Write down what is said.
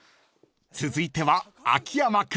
［続いては秋山君］